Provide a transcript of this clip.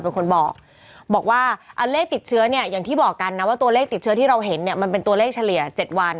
เป็นคนบอกบอกว่าเลขติดเชื้อเนี่ยอย่างที่บอกกันนะว่าตัวเลขติดเชื้อที่เราเห็นเนี่ยมันเป็นตัวเลขเฉลี่ย๗วัน